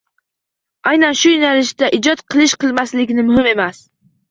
Aynan shu yoʻnalishda ijod qilish-qilmasligingiz muhim emas